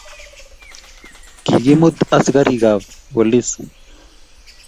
kikimut askarikab polis